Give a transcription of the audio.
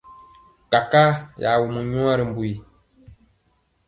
Kakaa ya wumɔ nwaa ri mbu yi.